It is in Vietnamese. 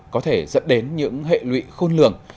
có thể dẫn đến những hệ lụy khôn lường